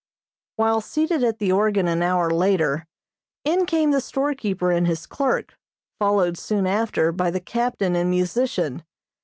While seated at the organ an hour later, in came the storekeeper and his clerk, followed soon after by the captain and musician.